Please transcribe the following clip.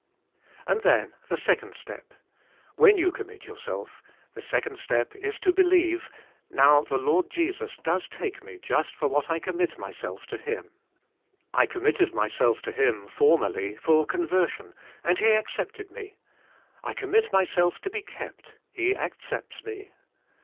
And then the second step: When you commit yourself, the second step is to believe, *'Now the Lord Jesus does take me just for what I commit my self to Him. I committed myself to Him, formerly, for conversion and He accepted me, I commit myself to be kept; He accepts me."